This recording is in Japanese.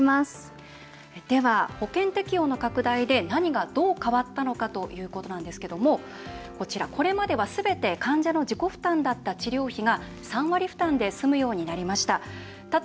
では、保険適用の拡大で何がどう変わったのかということなんですけどもこれまでは、すべて患者の自己負担だった治療費が３割負担で済むようになりました。